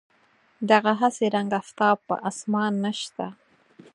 دغه هسې رنګ آفتاب په اسمان نشته.